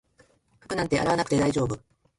服なんて洗わなくて大丈夫